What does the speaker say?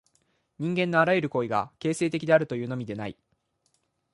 人間のあらゆる行為が形成的であるというのみでない。